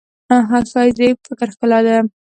ښایست د فکر ښکلا ده